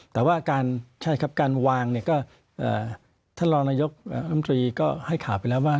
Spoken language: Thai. แต่ว่าการใช่ครับการวางเนี่ยก็ท่านรองนายกรรมตรีก็ให้ข่าวไปแล้วว่า